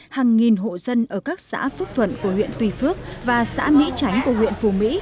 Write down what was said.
hàng nghìn hộ dân ở các xã phước thuận của huyện tùy phước và xã mỹ tránh của huyện phù mỹ